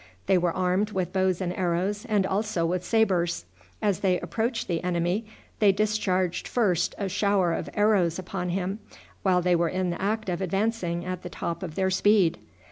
They were armed with bows and arrows, and also with sabres. As they approached the enemy, they discharged first a shower of arrows upon him, while they were in the act of advancing at the top of their speed.